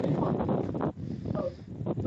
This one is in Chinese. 中环及田湾海旁道。